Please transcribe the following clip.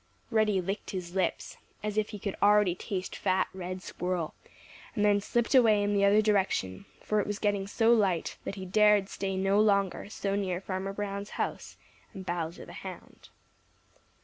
Reddy licked his lips as if he could already taste fat Red Squirrel, and then slipped away in the other direction, for it was getting so light that he dared stay no longer so near to Farmer Brown's house and Bowser the Hound.